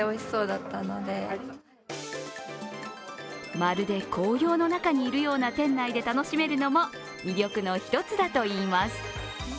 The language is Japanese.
まるで紅葉の中にいるような店内で楽しめるのも魅力の一つだといいます。